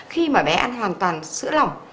khi mà bé ăn hoàn toàn sữa lỏng